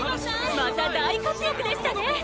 また大活躍でしたね